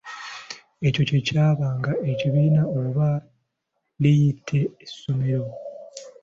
Ekyo kye kyabanga ekibiina oba liyite essomero.